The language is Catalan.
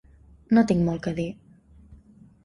No tinc molt que dir.